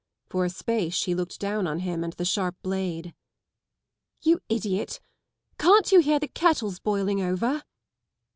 For a space she looked down on him and the sharp blade, *' You idiot, can't you hear the kettle's boiling over?